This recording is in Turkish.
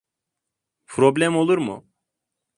Problem olur mu?